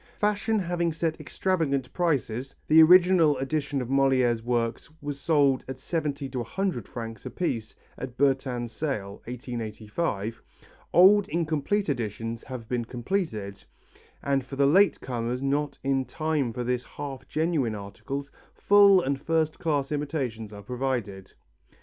Fashion having set extravagant prices the original edition of Molière's works was sold at 70 to 100 francs apiece at Bertin's sale, 1885 old incomplete editions have been completed, and for the late comers not in time for this half genuine article, full and first class imitations are provided.